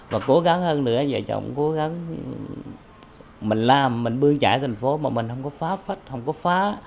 và cố gắng hơn nữa vợ chồng cố gắng mình làm mình bươi chạy thành phố mà mình không có phá phách không có phá